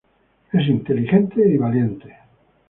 Es inteligente y valiente.